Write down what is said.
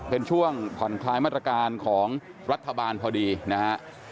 เป็นช่วงผ่อนคลายมาตรการของรัฐบาลพอดีนะฮะ